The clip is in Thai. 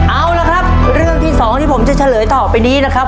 เอาละครับเรื่องที่สองที่ผมจะเฉลยต่อไปนี้นะครับ